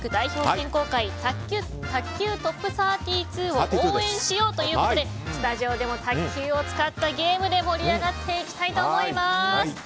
選考会卓球トップ３２を応援しようということでスタジオでも卓球を使ったゲームで盛り上がっていきたいと思います。